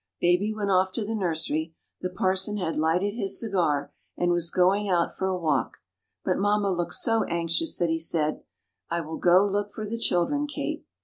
Baby went off to the nursery; the parson had lighted his cigar, and was going out for a walk, but mamma looked so anxious that he said, "I will go look for the children, Kate."